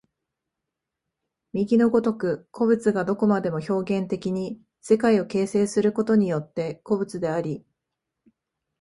右の如く個物がどこまでも表現的に世界を形成することによって個物であり、